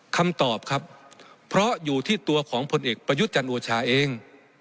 คำตอบครับเพราะอยู่ที่ตัวของผลเอกประยุทธ์จันโอชาเอง